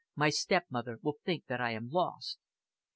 My stepmother will think that I am lost."